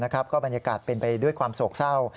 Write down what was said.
ก็บรรยากาศเป็นไปด้วยความโศกเศร้า